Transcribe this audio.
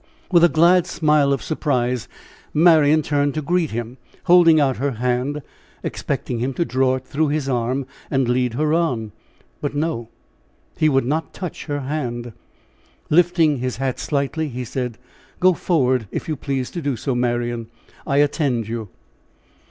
With a glad smile of surprise Marian turned to greet him, holding out her hand, expecting him to draw it through his arm and lead her on. But no, he would not touch her hand. Lifting his hat slightly, he said: "Go forward if you please to do so, Marian. I attend you."